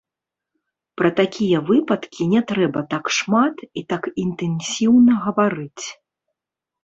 Пра такія выпадкі не трэба так шмат і так інтэнсіўна гаварыць.